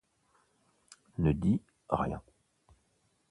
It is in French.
Ne dis rien.